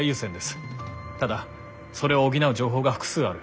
ただそれを補う情報が複数ある。